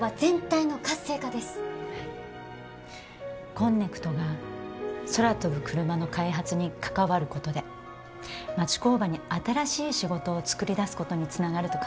こんねくとが空飛ぶクルマの開発に関わることで町工場に新しい仕事を作り出すことにつながると考えてます。